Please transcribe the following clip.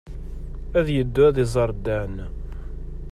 Ad yeddu ad iẓer Dan.